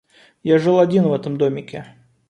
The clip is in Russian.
Я жил один в этом домике.